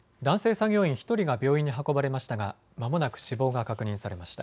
作業員１人が病院に運ばれましたがまもなく死亡が確認されました。